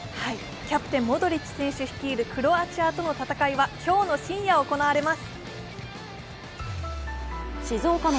キャプテン、モドリッチ選手率いるクロアチアとの戦いは今日の深夜行われます。